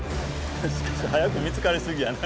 早く見つかりすぎやな。